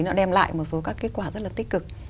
nó đem lại một số các kết quả rất là tích cực